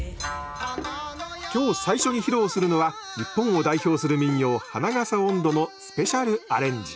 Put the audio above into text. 今日最初に披露するのは日本を代表する民謡「花笠音頭」のスペシャルアレンジ。